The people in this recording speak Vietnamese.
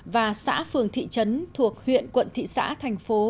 và xã phường thị trấn thuộc huyện quận thị xã thành phố